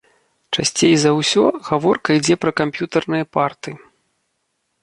Часцей за ўсё гаворка ідзе пра камп'ютарныя парты.